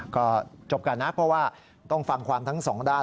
ก็จบกันนะเพราะว่าต้องฟังความทั้งสองด้าน